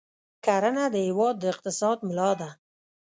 کرنه د هېواد د اقتصاد ملا ده.